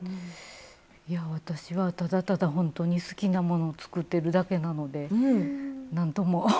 いや私はただただほんとに好きなものを作ってるだけなのでなんとも。